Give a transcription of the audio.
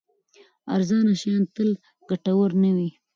ارزانه شیان تل ګټور نه وي.